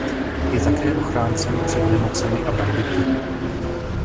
Je také ochráncem před nemocemi a bandity.